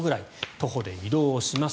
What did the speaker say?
徒歩で移動をします。